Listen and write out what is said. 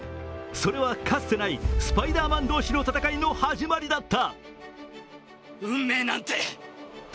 それはかつてないスパイダーマン同士の戦いの始まりだった。